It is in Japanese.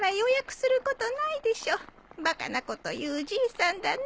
バカなこと言うじいさんだね。